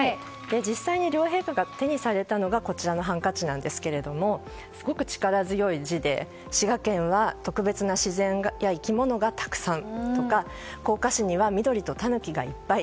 実際に両陛下が手にされたのがこちらのハンカチなんですけれどすごく力強い字で滋賀県は特別な自然や生き物がたくさんですとか甲賀市には緑とたぬきがいっぱい。